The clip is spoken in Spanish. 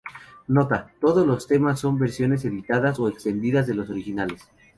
Nota: Todos los temas son versiones editadas o extendidas de los originales.